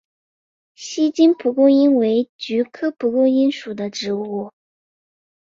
锡金蒲公英为菊科蒲公英属的植物。